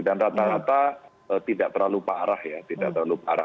dan rata rata tidak terlalu parah ya tidak terlalu parah